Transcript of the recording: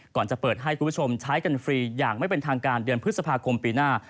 ก่อนจะเปิดให้คุณผู้ชมใช้กันฟรีอย่างไม่เป็นทางการเดือนพฤษภาคมปีหน้า